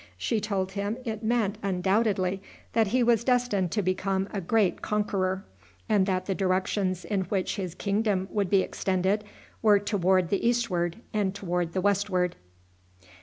She told him it meant undoubtedly that he was destined to become a great conqueror, and that the directions in which his kingdom would be extended were toward the eastward and toward the westward.